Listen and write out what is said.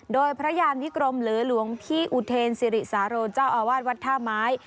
โดยพระยานวิกรมหรือหลวงพี่อุเทนสิริสาโรเจ้าอาวาสวัดท่าไม้